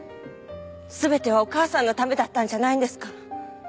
全てはお母さんのためだったんじゃないんですか？